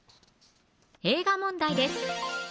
映画問題です